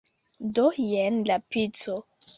Do, jen la pico